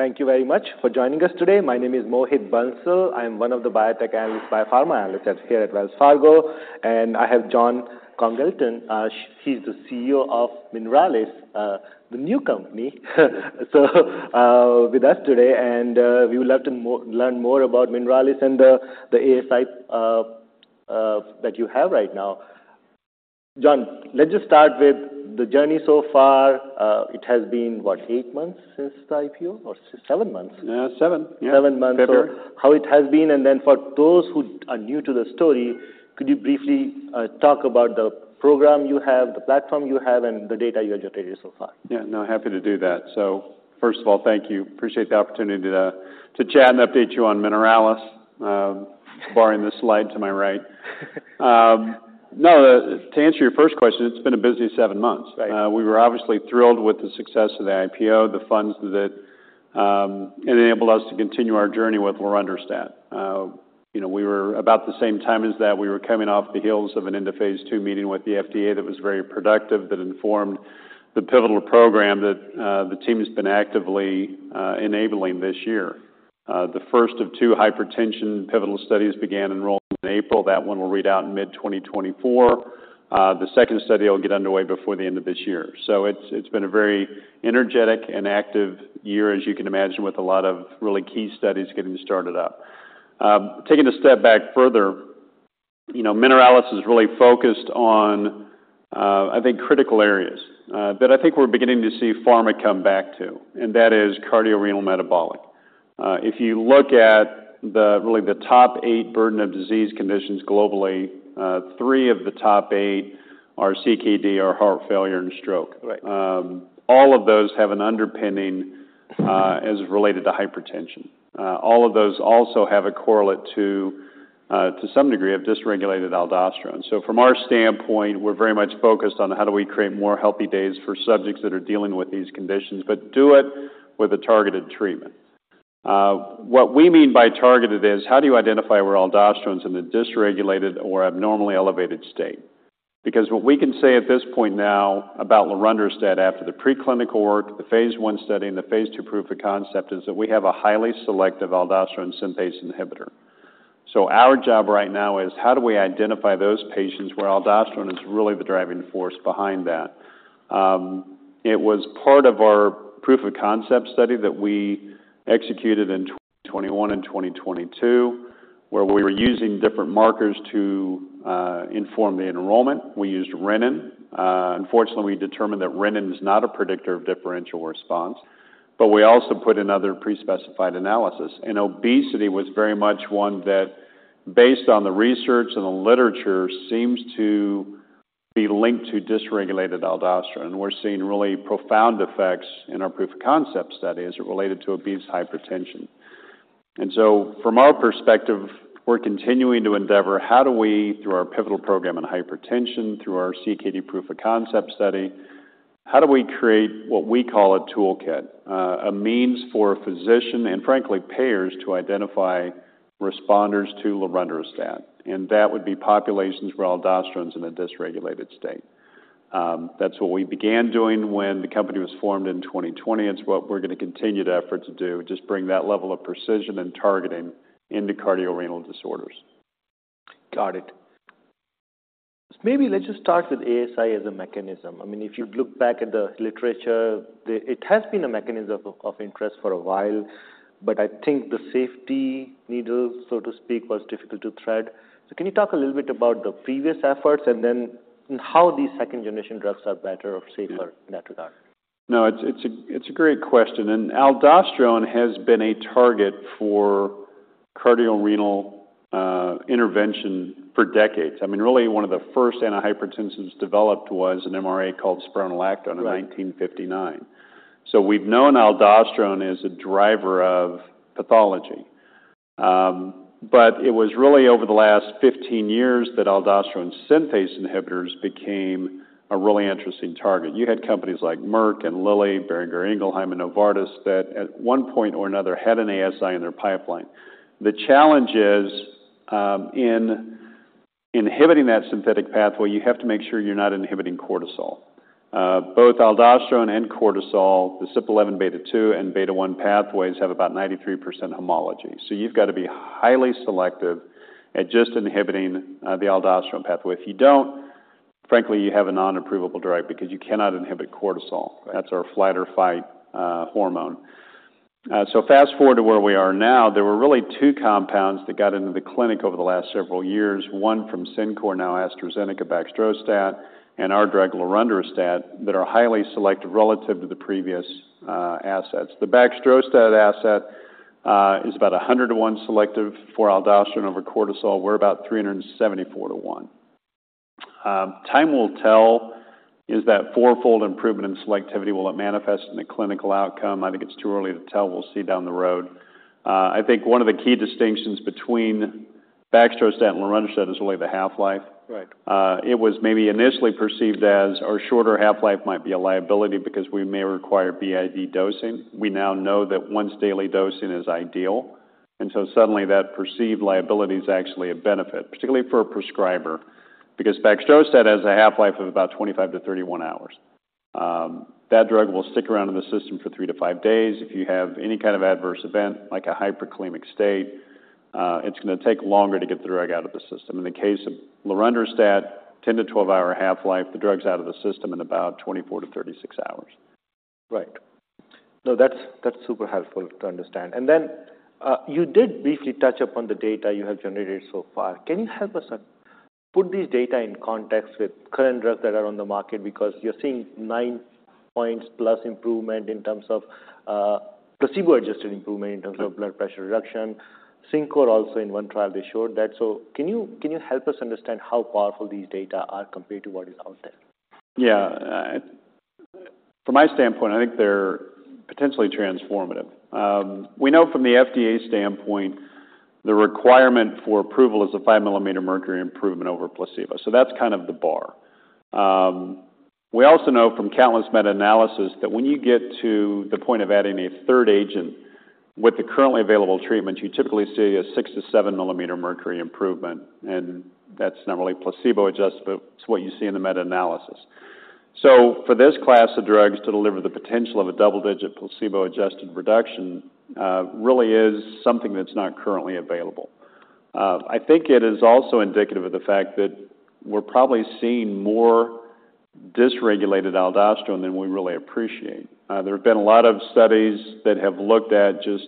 Thank you very much for joining us today. My name is Mohit Bansal. I am one of the biotech analysts, biopharma analysts here at Wells Fargo, and I have Jon Congleton. He's the CEO of Mineralys, the new company, with us today, and we would love to learn more about Mineralys and the ASI that you have right now. Jon, let's just start with the journey so far. It has been, what, eight months since the IPO or seven months? Yeah, seven. Seven months. Yeah, better. How it has been, and then for those who are new to the story, could you briefly talk about the program you have, the platform you have, and the data you have generated so far? Yeah. No, happy to do that. So first of all, thank you. Appreciate the opportunity to chat and update you on Mineralys, barring the slide to my right. No, to answer your first question, it's been a busy seven months. Right. We were obviously thrilled with the success of the IPO, the funds that it enabled us to continue our journey with lorundrostat. You know, we were, about the same time as that, we were coming off the heels of an end-of-phase 2 meeting with the FDA that was very productive, that informed the pivotal program that the team has been actively enabling this year. The first of two hypertension pivotal studies began enrolling in April. That one will read out in mid-2024. The second study will get underway before the end of this year. So it's been a very energetic and active year, as you can imagine, with a lot of really key studies getting started up. Taking a step back further, you know, Mineralys is really focused on, I think, critical areas, that I think we're beginning to see pharma come back to, and that is cardiorenal metabolic. If you look at the, really the top eight burden of disease conditions globally, three of the top eight are CKD or heart failure and stroke. Right. All of those have an underpinning as related to hypertension. All of those also have a correlate to some degree of dysregulated aldosterone. So from our standpoint, we're very much focused on how do we create more healthy days for subjects that are dealing with these conditions, but do it with a targeted treatment. What we mean by targeted is how do you identify where aldosterone is in the dysregulated or abnormally elevated state? Because what we can say at this point now about lorundrostat after the preclinical work, the phase 1 study, and the phase 2 proof of concept, is that we have a highly selective aldosterone synthase inhibitor. So our job right now is how do we identify those patients where aldosterone is really the driving force behind that? It was part of our proof of concept study that we executed in 2021 and 2022, where we were using different markers to inform the enrollment. We used renin. Unfortunately, we determined that renin is not a predictor of differential response, but we also put another pre-specified analysis. And obesity was very much one that, based on the research and the literature, seems to be linked to dysregulated aldosterone. We're seeing really profound effects in our proof of concept studies related to obese hypertension. And so from our perspective, we're continuing to endeavor how do we, through our pivotal program in hypertension, through our CKD proof of concept study, how do we create what we call a toolkit? A means for a physician and frankly, payers, to identify responders to lorundrostat, and that would be populations where aldosterone is in a dysregulated state. That's what we began doing when the company was formed in 2020. It's what we're going to continue to effort to do, just bring that level of precision and targeting into cardiorenal disorders. Got it. Maybe let's just start with ASI as a mechanism. I mean, if you look back at the literature, it has been a mechanism of interest for a while, but I think the safety needle, so to speak, was difficult to thread. So can you talk a little bit about the previous efforts and then how these second-generation drugs are better or safer? Yeah in that regard? No, it's a, it's a great question, and aldosterone has been a target for cardiorenal intervention for decades. I mean, really, one of the first antihypertensives developed was an MRA called spironolactone- Right -in 1959. So we've known aldosterone is a driver of pathology. But it was really over the last 15 years that aldosterone synthase inhibitors became a really interesting target. You had companies like Merck and Lilly, Boehringer Ingelheim, and Novartis that at one point or another had an ASI in their pipeline. The challenge is, in inhibiting that synthetic pathway, you have to make sure you're not inhibiting cortisol. Both aldosterone and cortisol, the CYP11B2 and CYP11B1 pathways, have about 93% homology. So you've got to be highly selective at just inhibiting the aldosterone pathway. If you don't, frankly, you have a non-approvable drug because you cannot inhibit cortisol. Right. That's our flight or fight hormone. So fast-forward to where we are now. There were really two compounds that got into the clinic over the last several years. One from CinCor, now AstraZeneca, baxdrostat, and our drug, lorundrostat, that are highly selective relative to the previous assets. The baxdrostat asset is about 100-to-one selective for aldosterone over cortisol. We're about 374-to-1. Time will tell, is that fourfold improvement in selectivity, will it manifest in a clinical outcome? I think it's too early to tell. We'll see down the road. I think one of the key distinctions between baxdrostat and lorundrostat is really the half-life. Right. It was maybe initially perceived as our shorter half-life might be a liability because we may require BID dosing. We now know that once-daily dosing is ideal... And so suddenly that perceived liability is actually a benefit, particularly for a prescriber. Because Baxdrostat has a half-life of about 25-31 hours. That drug will stick around in the system for three-five days. If you have any kind of adverse event, like a hyperkalemic state, it's going to take longer to get the drug out of the system. In the case of lorundrostat, 10-12-hour half-life, the drug's out of the system in about 24-36 hours. Right. No, that's, that's super helpful to understand. And then, you did briefly touch upon the data you have generated so far. Can you help us put this data in context with current drugs that are on the market? Because you're seeing -point-plus improvement in terms of placebo-adjusted improvement- Mm-hmm. in terms of blood pressure reduction. CinCor also in one trial, they showed that. So can you, can you help us understand how powerful these data are compared to what is out there? Yeah. From my standpoint, I think they're potentially transformative. We know from the FDA standpoint, the requirement for approval is a 5mm mercury improvement over placebo. So that's kind of the bar. We also know from countless meta-analysis that when you get to the point of adding a third agent with the currently available treatments, you typically see a 6-7mm mercury improvement, and that's not really placebo-adjusted, but it's what you see in the meta-analysis. So for this class of drugs to deliver the potential of a double-digit, placebo-adjusted reduction, really is something that's not currently available. I think it is also indicative of the fact that we're probably seeing more dysregulated aldosterone than we really appreciate. There have been a lot of studies that have looked at just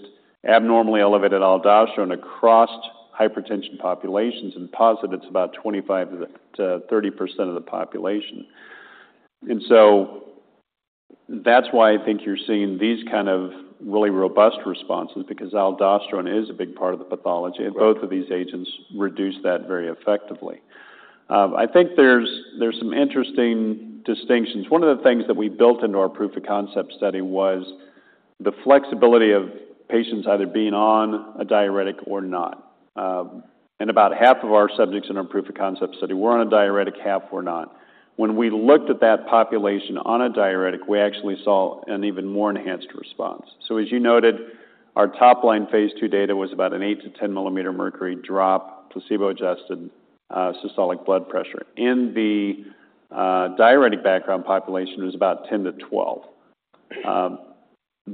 abnormally elevated aldosterone across hypertension populations and posit it's about 25%-30% of the population. And so that's why I think you're seeing these kind of really robust responses, because aldosterone is a big part of the pathology- Right. Both of these agents reduce that very effectively. I think there's some interesting distinctions. One of the things that we built into our proof of concept study was the flexibility of patients either being on a diuretic or not. About half of our subjects in our proof of concept study were on a diuretic, half were not. When we looked at that population on a diuretic, we actually saw an even more enhanced response. As you noted, our top line phase 2 data was about an 8-10 mm mercury drop, placebo-adjusted, systolic blood pressure. In the diuretic background population, it was about 10-12.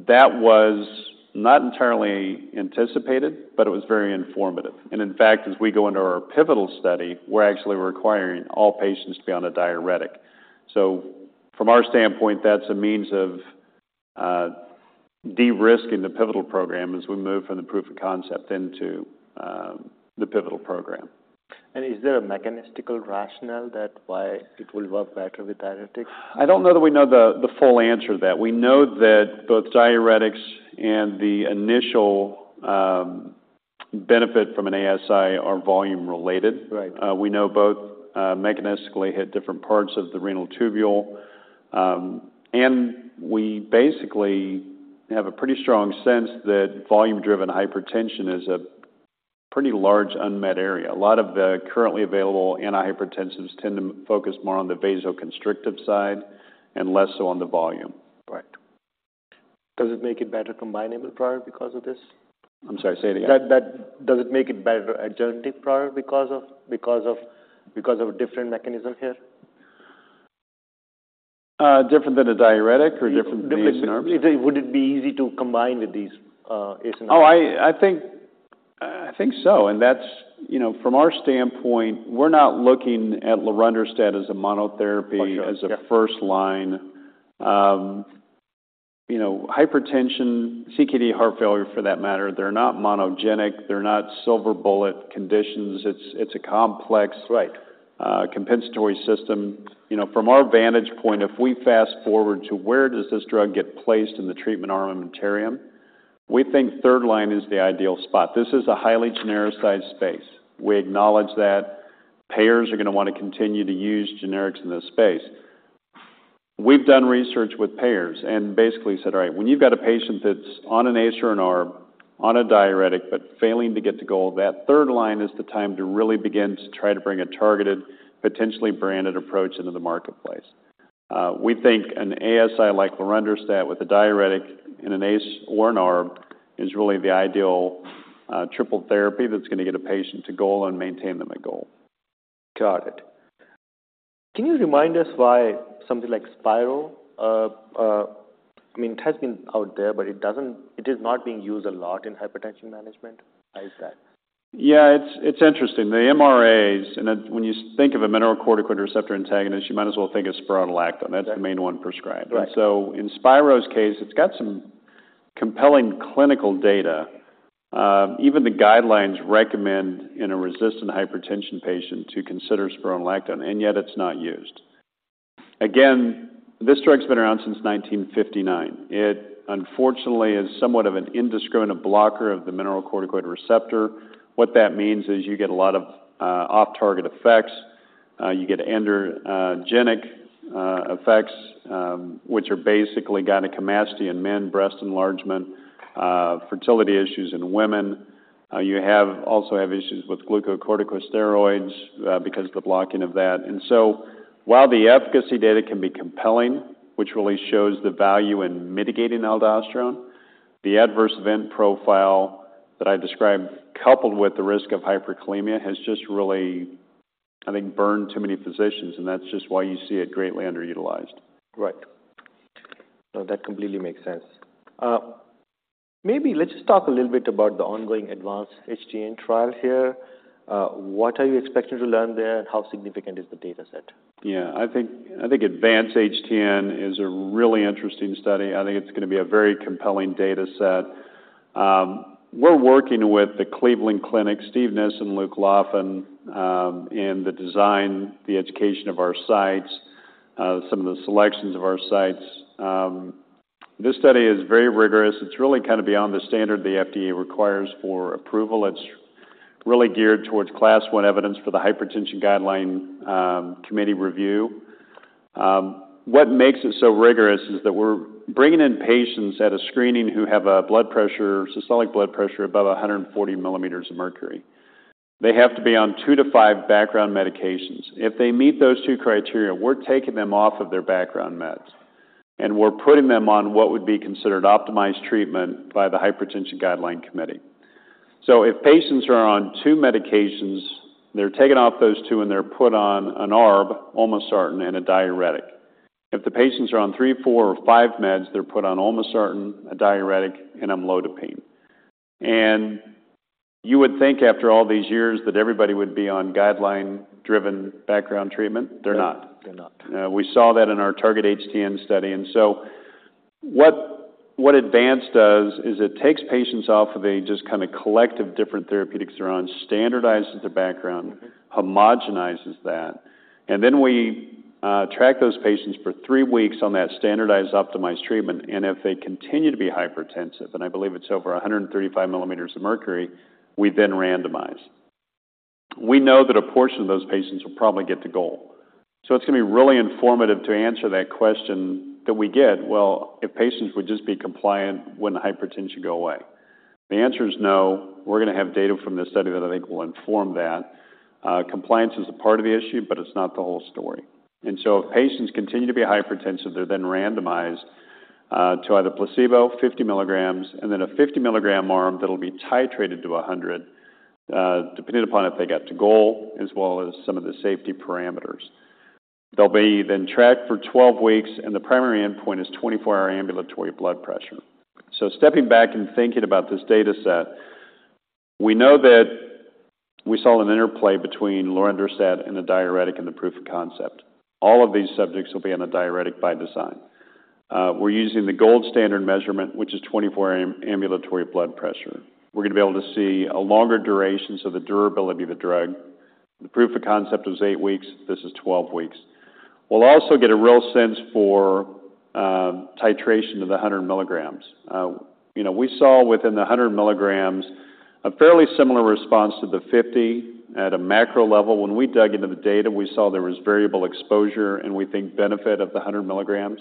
That was not entirely anticipated, but it was very informative. In fact, as we go into our pivotal study, we're actually requiring all patients to be on a diuretic. So from our standpoint, that's a means of de-risking the pivotal program as we move from the proof of concept into the pivotal program. Is there a mechanistic rationale that why it will work better with diuretic? I don't know that we know the full answer to that. We know that both diuretics and the initial benefit from an ASI are volume-related. Right. We know both mechanistically hit different parts of the renal tubule. We basically have a pretty strong sense that volume-driven hypertension is a pretty large unmet area. A lot of the currently available antihypertensives tend to focus more on the vasoconstrictive side and less so on the volume. Right. Does it make it better combinable product because of this? I'm sorry, say it again. That, does it make it better adjunctive product because of a different mechanism here? Different than a diuretic or different from the ARBs? Different. Would it be easy to combine with these, ACE and ARB? Oh, I think so, and that's... You know, from our standpoint, we're not looking at lorundrostat as a monotherapy- For sure. -as a first line. You know, hypertension, CKD, heart failure, for that matter, they're not monogenic. They're not silver bullet conditions. It's, it's a complex- Right. Compensatory system. You know, from our vantage point, if we fast-forward to where does this drug get placed in the treatment armamentarium, we think third line is the ideal spot. This is a highly genericized space. We acknowledge that payers are going to want to continue to use generics in this space. We've done research with payers and basically said, "All right, when you've got a patient that's on an ACE or an ARB, on a diuretic, but failing to get to goal, that third line is the time to really begin to try to bring a targeted, potentially branded approach into the marketplace." We think an ASI like lorundrostat with a diuretic and an ACE or an ARB is really the ideal triple therapy that's going to get a patient to goal and maintain them at goal. Got it. Can you remind us why something like Spiro, I mean, it has been out there, but it doesn't—it is not being used a lot in hypertension management. Why is that? Yeah, it's interesting. The MRAs, and then when you think of a mineralocorticoid receptor antagonist, you might as well think of spironolactone. Right. That's the main one prescribed. Right. And so in Spiro's case, it's got some compelling clinical data. Even the guidelines recommend in a resistant hypertension patient to consider spironolactone, and yet it's not used. Again, this drug's been around since 1959. It, unfortunately, is somewhat of an indiscriminate blocker of the mineralocorticoid receptor. What that means is you get a lot of off-target effects. You get androgenic effects, which are basically gynecomastia in men, breast enlargement, fertility issues in women. You also have issues with glucocorticosteroids because of the blocking of that. So while the efficacy data can be compelling, which really shows the value in mitigating aldosterone, the adverse event profile that I described, coupled with the risk of hyperkalemia, has just really burned too many physicians, I think, and that's just why you see it greatly underutilized. Right. No, that completely makes sense. Maybe let's just talk a little bit about the ongoing Advance-HTN trial here. What are you expecting to learn there, and how significant is the data set? Yeah, I think, I think Advance-HTN is a really interesting study. I think it's gonna be a very compelling data set. We're working with the Cleveland Clinic, Steven Nissen and Luke Laffin, in the design, the education of our sites, some of the selections of our sites. This study is very rigorous. It's really kind of beyond the standard the FDA requires for approval. It's really geared towards Class I evidence for the Hypertension Guideline Committee review. What makes it so rigorous is that we're bringing in patients at a screening who have a blood pressure, systolic blood pressure above 140 millimeters of mercury. They have to be on two-five background medications. If they meet those two criteria, we're taking them off of their background meds, and we're putting them on what would be considered optimized treatment by the Hypertension Guideline Committee. So if patients are on two medications, they're taken off those two, and they're put on an ARB, olmesartan, and a diuretic. If the patients are on three, four or five meds, they're put on olmesartan, a diuretic, and amlodipine. And you would think after all these years that everybody would be on guideline-driven background treatment. They're not. They're not. We saw that in our Target-HTN study, and so what, what Advance-HTN does is it takes patients off of a just kind of collective different therapeutics they're on, standardizes their background- Mm-hmm. - homogenizes that, and then we track those patients for three weeks on that standardized, optimized treatment, and if they continue to be hypertensive, and I believe it's over 135 millimeters of mercury, we then randomize. We know that a portion of those patients will probably get to goal. So it's gonna be really informative to answer that question that we get, "Well, if patients would just be compliant, wouldn't hypertension go away?" The answer is no. We're gonna have data from this study that I think will inform that. Compliance is a part of the issue, but it's not the whole story. So if patients continue to be hypertensive, they're then randomized to either placebo, 50 milligrams, and then a 50-milligram arm that'll be titrated to 100, depending upon if they got to goal, as well as some of the safety parameters. They'll be then tracked for 12 weeks, and the primary endpoint is 24-hour ambulatory blood pressure. So stepping back and thinking about this data set, we know that we saw an interplay between lorundrostat and the diuretic and the proof of concept. All of these subjects will be on a diuretic by design. We're using the gold standard measurement, which is 24-hour ambulatory blood pressure. We're gonna be able to see a longer duration, so the durability of the drug. The proof of concept was eight weeks. This is 12 weeks. We'll also get a real sense for titration to the 100 milligrams. You know, we saw within the 100mg a fairly similar response to the 50 at a macro level. When we dug into the data, we saw there was variable exposure and we think benefit of the 100mg.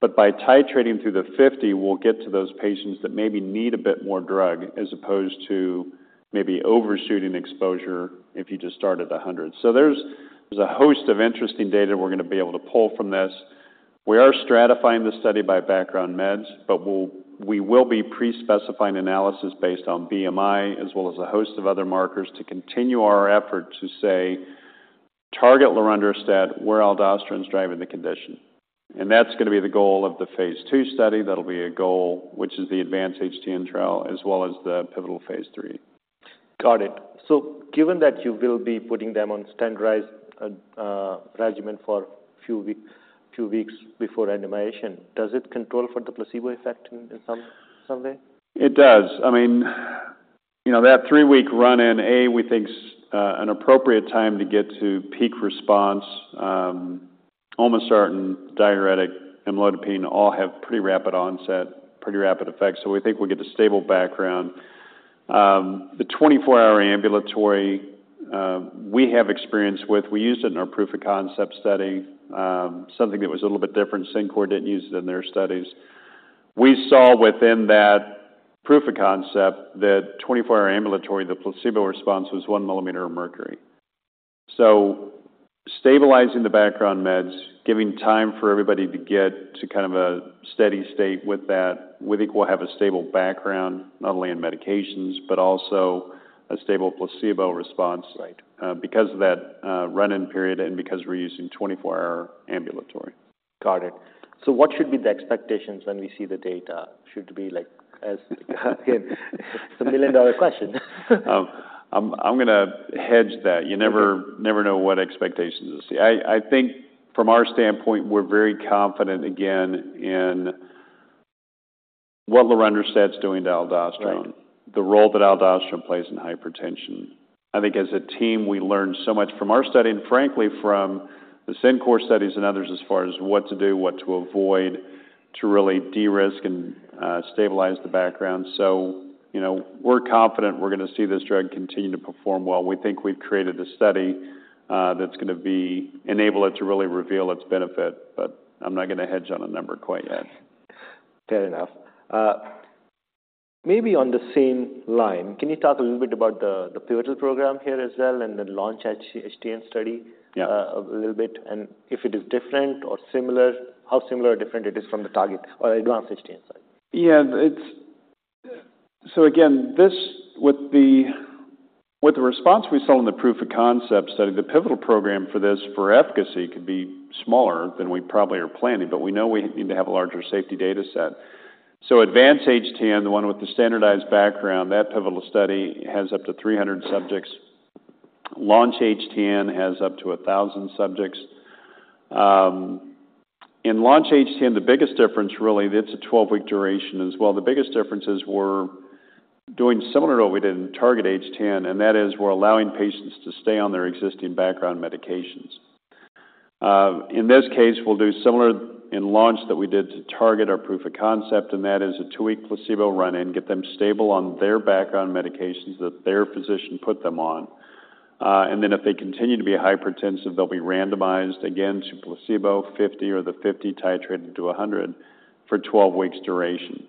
But by titrating through the 50, we'll get to those patients that maybe need a bit more drug, as opposed to maybe overshooting exposure if you just start at a 100. So there's a host of interesting data we're gonna be able to pull from this. We are stratifying the study by background meds, but we will be pre-specifying analysis based on BMI, as well as a host of other markers, to continue our effort to say, "Target lorundrostat where aldosterone is driving the condition." And that's gonna be the goal of the phase 2 study. That'll be a goal, which is the Advance-HTN trial, as well as the pivotal phase 3. Got it. So given that you will be putting them on standardized regimen for a few weeks before randomization, does it control for the placebo effect in some way? It does. I mean, you know, that three-week run in, A, we think is an appropriate time to get to peak response. olmesartan, diuretic, amlodipine all have pretty rapid onset, pretty rapid effects, so we think we'll get a stable background. The 24-hour ambulatory, we have experience with. We used it in our proof of concept study, something that was a little bit different. CinCor didn't use it in their studies. We saw within that proof of concept that 24-hour ambulatory, the placebo response was 1mm of mercury. So stabilizing the background meds, giving time for everybody to get to kind of a steady state with that, we think we'll have a stable background, not only in medications, but also a stable placebo response- Right. because of that, run-in period and because we're using 24-hour ambulatory. Got it. So what should be the expectations when we see the data? Should it be like, as... Again, it's a million-dollar question. I'm gonna hedge that. Okay. You never, never know what expectations you'll see. I, I think from our standpoint, we're very confident again in what lorundrostat's doing to aldosterone- Right ... The role that aldosterone plays in hypertension. I think as a team, we learned so much from our study and frankly from the CinCor studies and others as far as what to do, what to avoid, to really de-risk and stabilize the background. So you know, we're confident we're gonna see this drug continue to perform well. We think we've created a study that's gonna be enable it to really reveal its benefit, but I'm not gonna hedge on a number quite yet. Fair enough. Maybe on the same line, can you talk a little bit about the pivotal program here as well, and the Launch-HTN study? Yeah. A little bit, and if it is different or similar, how similar or different it is from the Target-HTN or Advance-HTN side? So again, this with the, with the response we saw in the proof of concept study, the pivotal program for this for efficacy could be smaller than we probably are planning, but we know we need to have a larger safety data set. So Advance-HTN, the one with the standardized background, that pivotal study has up to 300 subjects. Launch-HTN has up to 1,000 subjects. In Launch-HTN, the biggest difference really, it's a 12-week duration as well. The biggest difference is we're doing similar to what we did in Target-HTN, and that is we're allowing patients to stay on their existing background medications. In this case, we'll do similar in Launch that we did to target our proof of concept, and that is a two-week placebo run-in, get them stable on their background medications that their physician put them on. And then if they continue to be hypertensive, they'll be randomized again to placebo 50 or the 50 titrated to 100 for 12 weeks duration.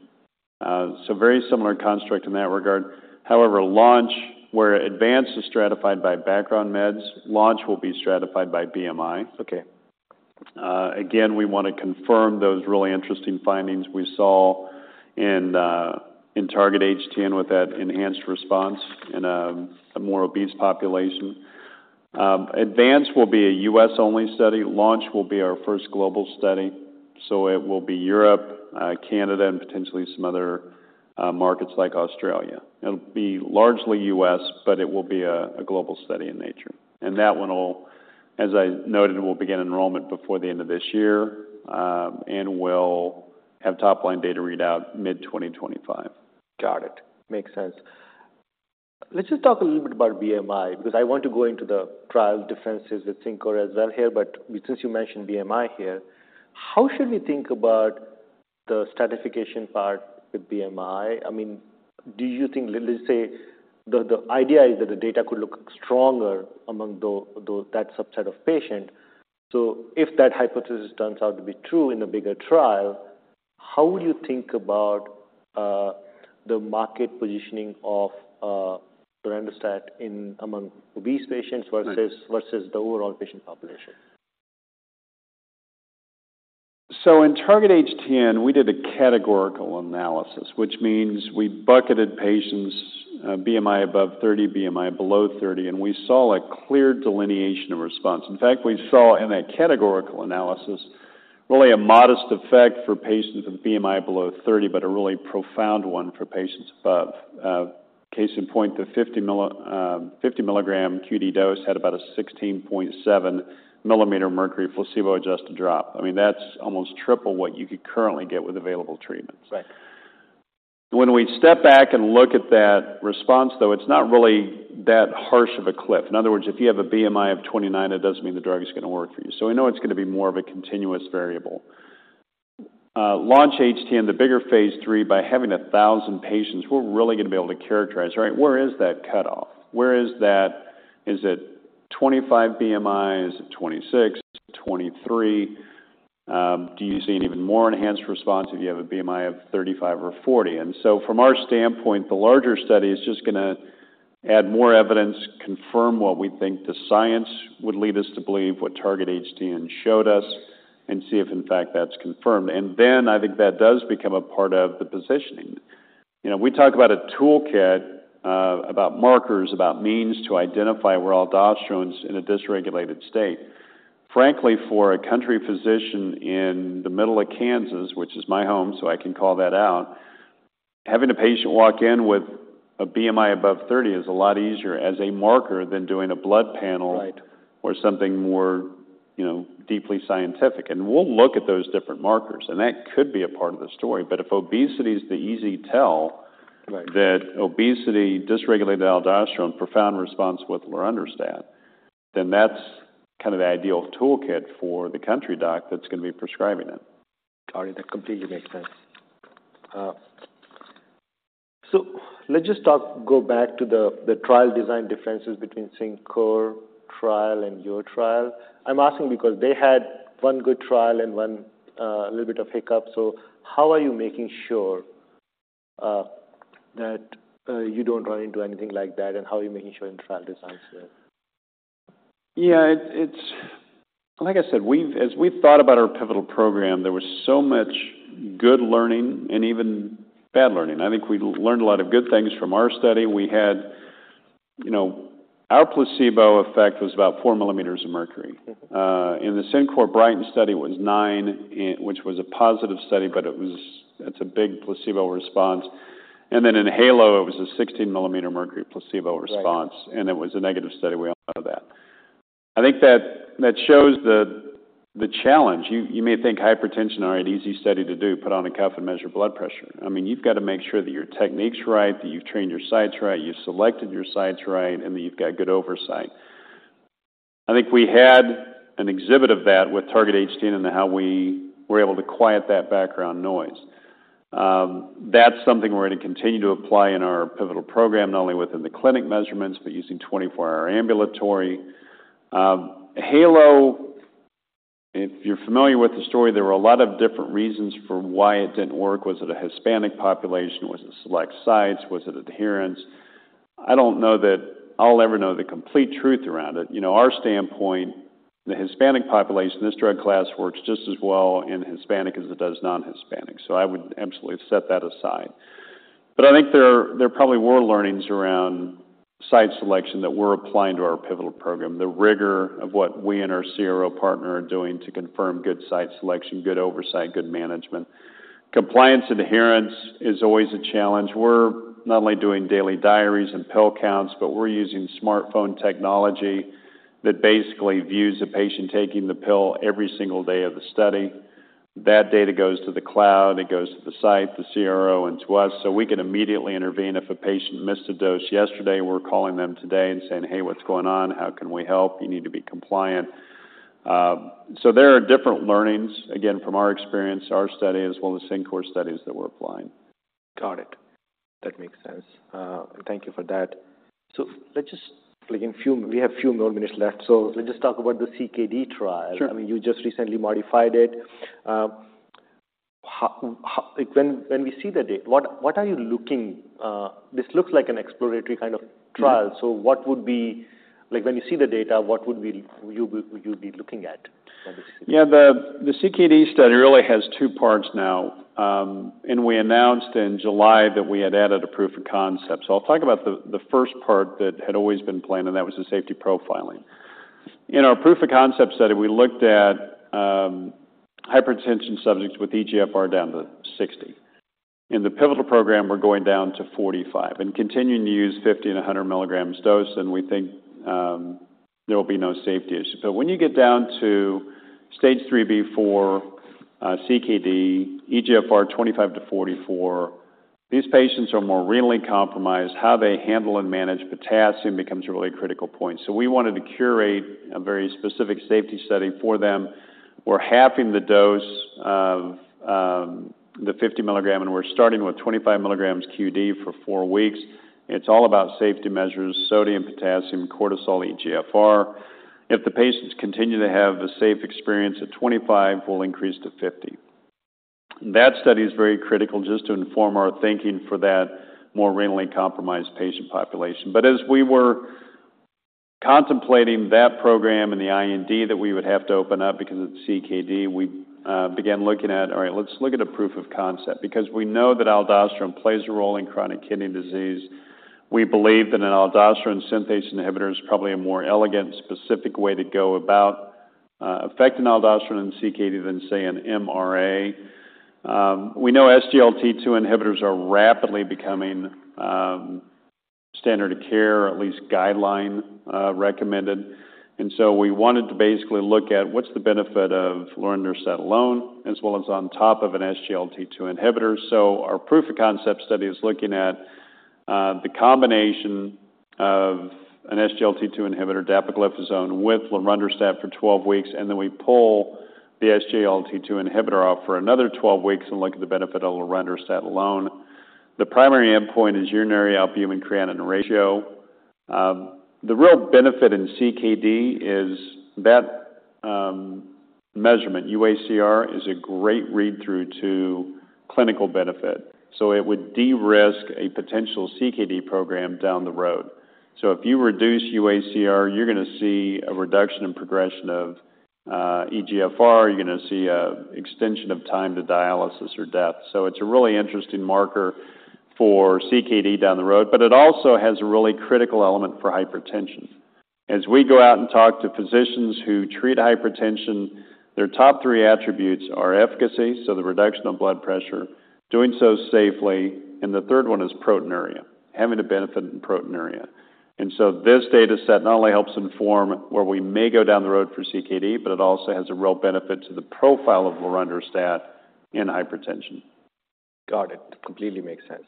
So very similar construct in that regard. However, Launch, where Advance is stratified by background meds, Launch will be stratified by BMI. Okay. Again, we want to confirm those really interesting findings we saw in Target-HTN with that enhanced response in a more obese population. Advance-HTN will be a U.S.-only study. Launch-HTN will be our first global study, so it will be Europe, Canada, and potentially some other markets like Australia. It'll be largely U.S., but it will be a global study in nature. And that one will, as I noted, we'll begin enrollment before the end of this year, and we'll have top-line data readout mid-2025. Got it. Makes sense. Let's just talk a little bit about BMI, because I want to go into the trial differences with CinCor as well here. But since you mentioned BMI here, how should we think about the stratification part with BMI? I mean, do you think... Let's say the idea is that the data could look stronger among those that subset of patients. So if that hypothesis turns out to be true in a bigger trial, how would you think about the market positioning of the lorundrostat in among obese patients- Right... versus the overall patient population? In Target-HTN, we did a categorical analysis, which means we bucketed patients, BMI above 30, BMI below 30, and we saw a clear delineation of response. In fact, we saw in that categorical analysis, really a modest effect for patients with BMI below 30, but a really profound one for patients above. Case in point, the 50mg QD dose had about a 16.7mm Hg placebo-adjusted drop. I mean, that's almost triple what you could currently get with available treatments. Right. When we step back and look at that response, though, it's not really that harsh of a cliff. In other words, if you have a BMI of 29, it doesn't mean the drug is going to work for you. So we know it's going to be more of a continuous variable. Launch-HTN, the bigger Phase 3, by having 1,000 patients, we're really going to be able to characterize, right, where is that cutoff? Where is that? Is it 25 BMI? Is it 26, 23? Do you see an even more enhanced response if you have a BMI of 35 or 40? And so from our standpoint, the larger study is just going to add more evidence, confirm what we think the science would lead us to believe, what Target-HTN showed us, and see if, in fact, that's confirmed. And then I think that does become a part of the positioning. You know, we talk about a toolkit, about markers, about means to identify where aldosterone is in a dysregulated state. Frankly, for a country physician in the middle of Kansas, which is my home, so I can call that out, having a patient walk in with a BMI above 30 is a lot easier as a marker than doing a blood panel- Right... Or something more, you know, deeply scientific. And we'll look at those different markers, and that could be a part of the story. But if obesity is the easy tell- Right... that obesity, dysregulated aldosterone, profound response with lorundrostat, then that's kind of the ideal toolkit for the country doc that's going to be prescribing it. Got it. That completely makes sense. So let's just talk, go back to the trial design differences between CinCor trial and your trial. I'm asking because they had one good trial and one a little bit of hiccup. So how are you making sure that you don't run into anything like that, and how are you making sure in trial designs there? Yeah, it's like I said, as we've thought about our pivotal program, there was so much good learning and even bad learning. I think we learned a lot of good things from our study. We had, you know, our placebo effect was about four millimeters of mercury. Mm-hmm. In the CinCor BrigHTN study, it was nine, which was a positive study, but it was, it's a big placebo response. And then in HALO, it was a 16 mm Hg placebo response. Right. And it was a negative study, we all know that. I think that, that shows the, the challenge. You, you may think hypertension are an easy study to do, put on a cuff and measure blood pressure. I mean, you've got to make sure that your technique's right, that you've trained your sites right, you've selected your sites right, and that you've got good oversight. I think we had an exhibit of that with Target-HTN and how we were able to quiet that background noise. That's something we're going to continue to apply in our pivotal program, not only within the clinic measurements, but using 24-hour ambulatory. HALO, if you're familiar with the story, there were a lot of different reasons for why it didn't work. Was it a Hispanic population? Was it select sites? Was it adherence?... I don't know that I'll ever know the complete truth around it. You know, our standpoint, the Hispanic population, this drug class works just as well in Hispanic as it does non-Hispanic. So I would absolutely set that aside. But I think there, there probably were learnings around site selection that we're applying to our pivotal program. The rigor of what we and our CRO partner are doing to confirm good site selection, good oversight, good management. Compliance adherence is always a challenge. We're not only doing daily diaries and pill counts, but we're using smartphone technology that basically views a patient taking the pill every single day of the study. That data goes to the cloud, it goes to the site, the CRO, and to us, so we can immediately intervene. If a patient missed a dose yesterday, we're calling them today and saying, "Hey, what's going on? How can we help? You need to be compliant." So there are different learnings, again, from our experience, our study, as well as the CinCor studies that we're applying. Got it. That makes sense. Thank you for that. So let's just... like, we have a few more minutes left, so let's just talk about the CKD trial. Sure. I mean, you just recently modified it. When we see the data, what are you looking... This looks like an exploratory kind of trial. Mm-hmm. So what would be... Like, when you see the data, what would you be looking at on this? Yeah, the CKD study really has two parts now. And we announced in July that we had added a proof of concept. So I'll talk about the first part that had always been planned, and that was the safety profiling. In our proof of concept study, we looked at hypertension subjects with eGFR down to 60. In the pivotal program, we're going down to 45 and continuing to use 50mg and 100mg dose, and we think there will be no safety issue. But when you get down to Stage 3B CKD, eGFR 25-44, these patients are more renally compromised. How they handle and manage potassium becomes a really critical point. So we wanted to curate a very specific safety study for them. We're halving the dose of the 50 milligram, and we're starting with 25 milligrams QD for 4 weeks. It's all about safety measures, sodium, potassium, cortisol, eGFR. If the patients continue to have a safe experience at 25, we'll increase to 50. That study is very critical just to inform our thinking for that more renally compromised patient population. But as we were contemplating that program and the IND that we would have to open up because of the CKD, we began looking at, all right, let's look at a proof of concept. Because we know that aldosterone plays a role in chronic kidney disease. We believe that an aldosterone synthase inhibitor is probably a more elegant, specific way to go about affecting aldosterone in CKD than, say, an MRA. We know SGLT2 inhibitors are rapidly becoming standard of care or at least guideline recommended. So we wanted to basically look at what's the benefit of lorundrostat alone, as well as on top of an SGLT2 inhibitor. Our proof of concept study is looking at the combination of an SGLT2 inhibitor, dapagliflozin, with lorundrostat for 12 weeks, and then we pull the SGLT2 inhibitor off for another 12 weeks and look at the benefit of lorundrostat alone. The primary endpoint is urinary albumin-creatinine ratio. The real benefit in CKD is that measurement, UACR, is a great read-through to clinical benefit, so it would de-risk a potential CKD program down the road. If you reduce UACR, you're gonna see a reduction in progression of eGFR. You're gonna see an extension of time to dialysis or death. So it's a really interesting marker for CKD down the road, but it also has a really critical element for hypertension. As we go out and talk to physicians who treat hypertension, their top three attributes are efficacy, so the reduction of blood pressure, doing so safely, and the third one is proteinuria, having a benefit in proteinuria. And so this data set not only helps inform where we may go down the road for CKD, but it also has a real benefit to the profile of lorundrostat in hypertension. Got it. Completely makes sense.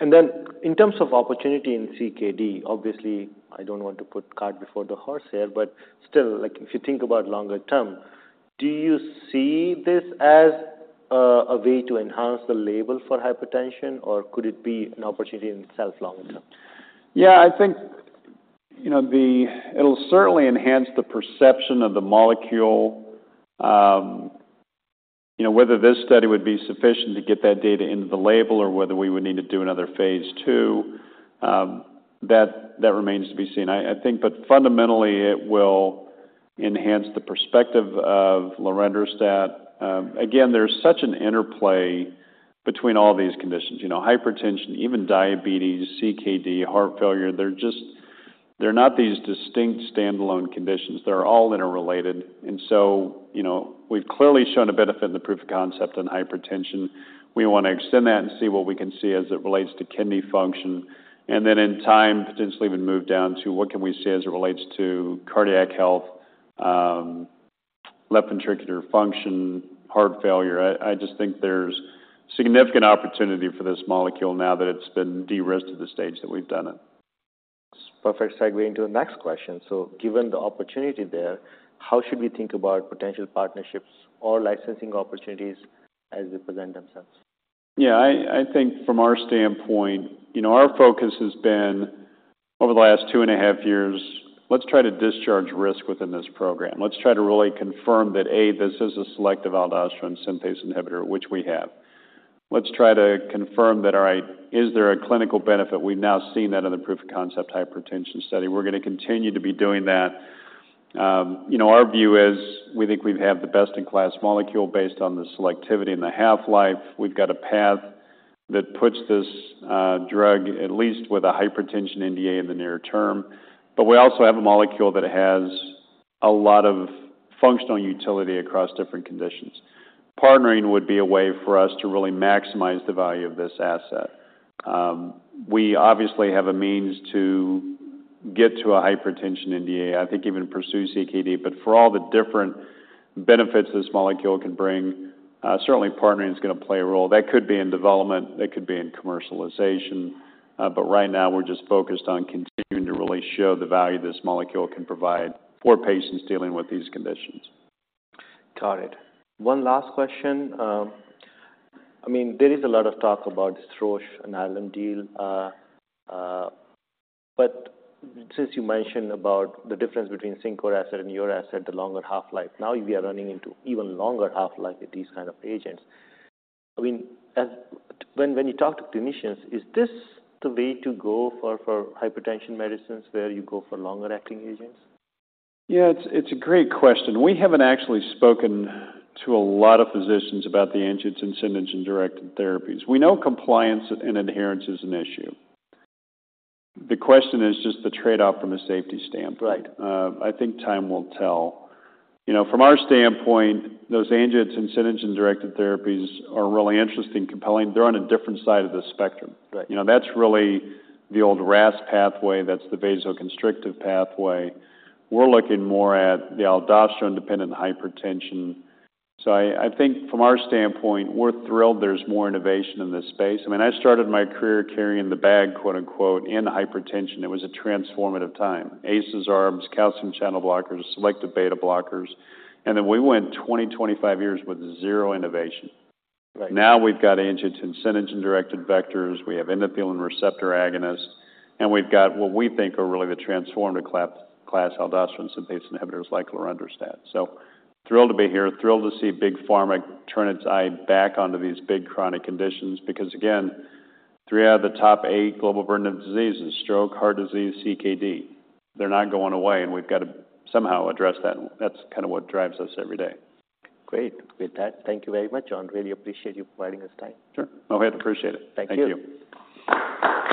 And then in terms of opportunity in CKD, obviously, I don't want to put cart before the horse here, but still, like, if you think about longer term, do you see this as a way to enhance the label for hypertension, or could it be an opportunity in itself longer term? Yeah, I think, you know, the. It'll certainly enhance the perception of the molecule. You know, whether this study would be sufficient to get that data into the label or whether we would need to do another phase 2, that remains to be seen. I think, but fundamentally, it will enhance the perspective of lorundrostat. Again, there's such an interplay between all these conditions. You know, hypertension, even diabetes, CKD, heart failure, they're just, they're not these distinct standalone conditions. They're all interrelated. And so, you know, we've clearly shown a benefit in the proof of concept on hypertension. We want to extend that and see what we can see as it relates to kidney function, and then in time, potentially even move down to what can we see as it relates to cardiac health, left ventricular function, heart failure. I just think there's significant opportunity for this molecule now that it's been de-risked to the stage that we've done it. Perfect segue into the next question. So given the opportunity there, how should we think about potential partnerships or licensing opportunities as they present themselves? Yeah, I think from our standpoint, you know, our focus has been over the last 2.5 years to de-risk this program. Let's try to really confirm that, A, this is a selective aldosterone synthase inhibitor, which we have. Let's try to confirm that, all right, is there a clinical benefit? We've now seen that in the proof of concept hypertension study. We're going to continue to be doing that. You know, our view is we think we have the best-in-class molecule based on the selectivity and the half-life. We've got a path that puts this drug at least with a hypertension NDA in the near term. But we also have a molecule that has a lot of functional utility across different conditions. Partnering would be a way for us to really maximize the value of this asset. We obviously have a means to get to a hypertension NDA, I think even pursue CKD. But for all the different benefits this molecule can bring, certainly partnering is going to play a role. That could be in development, that could be in commercialization. But right now, we're just focused on continuing to really show the value this molecule can provide for patients dealing with these conditions. Got it. One last question. I mean, there is a lot of talk about the Roche and Alnylam deal. But since you mentioned about the difference between CinCor asset and your asset, the longer half-life, now we are running into even longer half-life with these kind of agents. I mean, when you talk to clinicians, is this the way to go for hypertension medicines, where you go for longer-acting agents? Yeah, it's, it's a great question. We haven't actually spoken to a lot of physicians about the angiotensinogen-directed therapies. We know compliance and adherence is an issue. The question is just the trade-off from a safety standpoint. Right. I think time will tell. You know, from our standpoint, those angiotensinogen-directed therapies are really interesting, compelling. They're on a different side of the spectrum. Right. You know, that's really the old RAS pathway. That's the vasoconstrictive pathway. We're looking more at the aldosterone-dependent hypertension. So I think from our standpoint, we're thrilled there's more innovation in this space. I mean, I started my career carrying the bag, quote, unquote, "In hypertension." It was a transformative time. ACEs, ARBs, calcium channel blockers, selective beta blockers, and then we went 20-25 years with zero innovation. Right. Now, we've got angiotensinogen-directed vectors, we have endothelin receptor agonists, and we've got what we think are really the transformative class aldosterone synthase inhibitors like lorundrostat. So thrilled to be here, thrilled to see big pharma turn its eye back onto these big chronic conditions, because, again, three out of the top eight global burden of disease is stroke, heart disease, CKD. They're not going away, and we've got to somehow address that. That's kind of what drives us every day. Great. With that, thank you very much, Jon. Really appreciate you providing this time. Sure. No, I appreciate it. Thank you. Thank you.